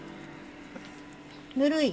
ぬるい？